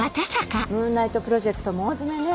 ムーンナイトプロジェクトも大詰めね。